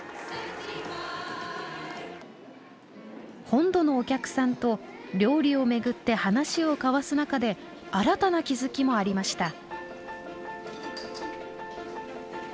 本土のお客さんと料理をめぐって話を交わす中で新たな気づきもありました。